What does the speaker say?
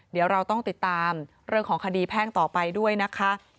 เดี๋ยวเราต้องติดตามเรื่องของคดีแพ่งต่อไปด้วยนะคะ